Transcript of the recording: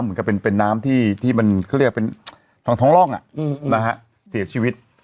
เหมือนกับเป็นน้ำที่มันเขาเรียกเป็นทางท้องร่องเสียชีวิต